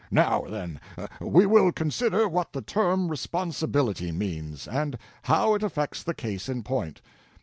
"Now, then, we will consider what the term responsibility means, and how it affects the case in point.